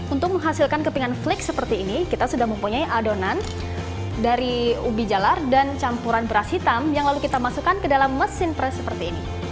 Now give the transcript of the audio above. untuk menghasilkan kepingan flik seperti ini kita sudah mempunyai adonan dari ubi jalar dan campuran beras hitam yang lalu kita masukkan ke dalam mesin pres seperti ini